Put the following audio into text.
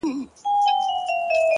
مورې د دې شاعر کتاب چي په لاسونو کي دی”